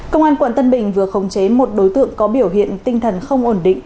công an quận tân bình vừa khống chế một đối tượng có biểu hiện tinh thần không ổn định